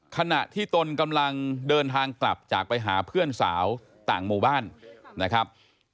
ขณะที่ตนกำลังเดินทางกลับจากไปหาเพื่อนสาวต่างหมู่บ้านนะครับ